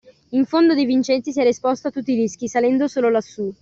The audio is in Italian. In fondo De Vincenzi si era esposto a tutti i rischi, salendo solo lassù.